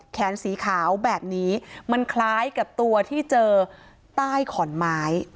แขนสีขาวแบบนี้มันคล้ายกับตัวที่เจอใต้ขอนไม้